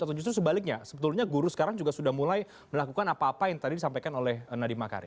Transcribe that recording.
atau justru sebaliknya sebetulnya guru sekarang juga sudah mulai melakukan apa apa yang tadi disampaikan oleh nadiem makarim